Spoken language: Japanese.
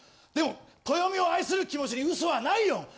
でもトヨミを愛する気持ちに嘘はないよ！